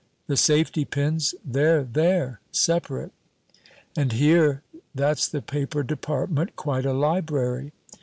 The safety pins, they're there, separate." "And here, that's the paper department. Quite a library."